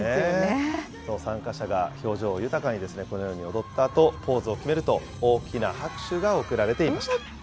参加者が表情豊かにこのように踊ったあと、ポーズを決めると大きな拍手が送られていました。